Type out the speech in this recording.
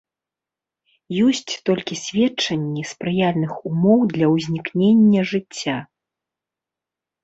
Ёсць толькі сведчанні спрыяльных умоў для ўзнікнення жыцця.